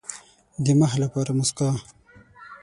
د مخ لپاره موسکا.